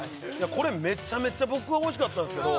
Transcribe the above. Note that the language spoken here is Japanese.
これめちゃめちゃ僕はおいしかったんですけど